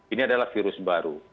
ini adalah virus baru